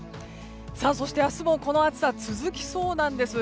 そして明日も、この暑さ続きそうなんです。